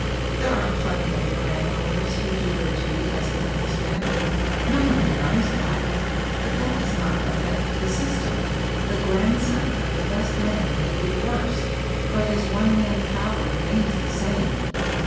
"There are plenty of landowners who do their duty as they understand it no one denies that. But that does not affect the system; the grandson of the best man may be the worst, but his one man power remains the same.